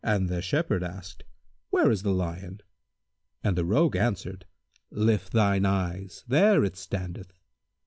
The Shepherd asked, "Where is the lion?" and the Rogue answered, "Lift thine eyes; there he standeth."